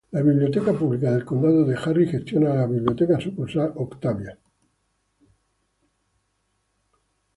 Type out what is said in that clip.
La Biblioteca Pública del Condado de Harris gestiona la Biblioteca Sucursal Octavia Fields.